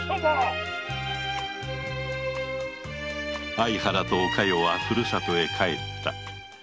相原とお加代は故郷へ帰った